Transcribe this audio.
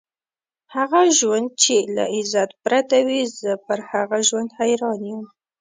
هغه ژوند چې له عزت پرته وي، زه پر هغه ژوند حیران یم.